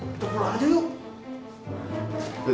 kita pulang saja dulu